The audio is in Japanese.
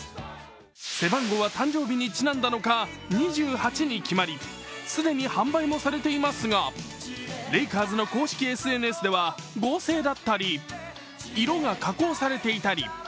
背番号は誕生日にちなんだのか２８に決まり既に販売もされていますが、レイカーズの公式ＳＮＳでは合成だったり、色が加工されていたり。